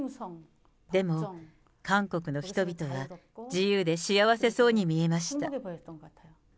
でも韓国の人々は、自由で幸せそうに見えました。